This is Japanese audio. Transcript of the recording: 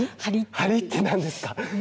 張りって何ですか？